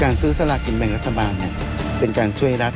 การซื้อสลากขินแบ่งรัฐบาลเนี่ยเป็นการช่วยรัฐ